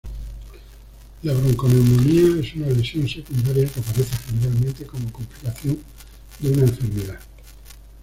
La bronconeumonía es una lesión secundaria que aparece generalmente como complicación de una enfermedad.